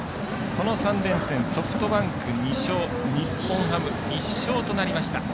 この３連戦、ソフトバンク２勝日本ハム、１勝となりました。